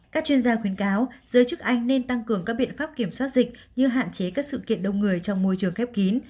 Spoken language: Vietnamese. các chuyên gia khuyến cáo giới chức anh nên tăng cường các biện pháp kiểm soát dịch như hạn chế các sự kiện đông người trong môi trường khép kín